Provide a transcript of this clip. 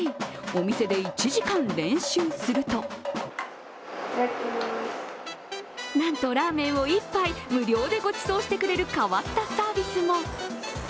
お店で１時間練習するとなんとラーメンを１杯無料でごちそうしてくれる変わったサービスも。